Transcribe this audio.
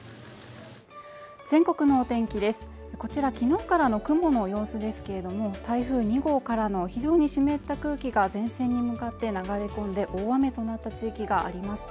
全国のお天気です、こちら昨日からの雲の様子ですけれども、台風２号からの非常に湿った空気が前線に向かって流れ込んで大雨となった地域がありました。